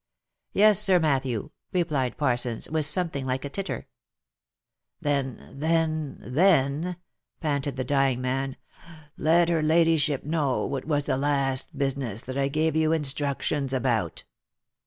" Yes, Sir Matthew," replied Parsons, with something like a titter. "Then — then — then," panted the dying man, "let her ladyship know what was the last business that I gave you instructions about."